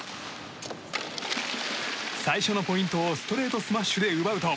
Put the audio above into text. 最初のポイントをストレートスマッシュで奪うと。